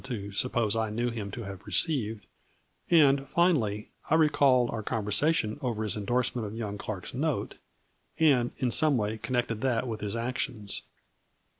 127 to suppose I knew him to have received, and, finally, I recalled our conversation over his in dorsement of young Clark's note, and, in some way, connected that with his actions.